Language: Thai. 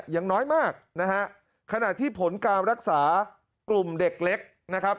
อย่างน้อยมากนะฮะขณะที่ผลการรักษากลุ่มเด็กเล็กนะครับ